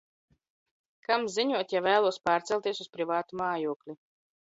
Kam ziņot, ja vēlos pārcelties uz privātu mājokli?